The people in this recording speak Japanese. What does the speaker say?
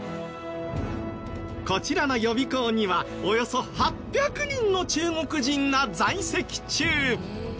こちらの予備校にはおよそ８００人の中国人が在籍中。